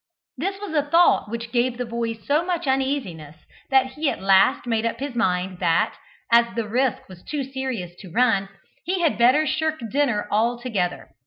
This was a thought which gave the boy so much uneasiness, that he at last made up his mind that, as the risk was too serious to run, he had better shirk dinner altogether.